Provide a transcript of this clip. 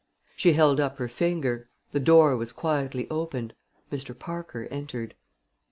She held up her finger. The door was quietly opened. Mr. Parker entered.